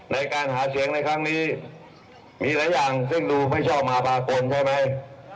ในการหาเสียงในครั้งนี้มีหลายอย่างซึ่งดูไม่ชอบมาพากลใช่ไหม